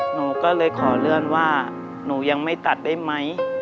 หนูก็เลยขอเลื่อนว่าหนูยังไม่ตัดได้ไหม